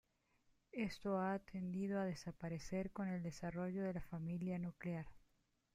Esto ha tendido a desaparecer, con el desarrollo de la familia nuclear.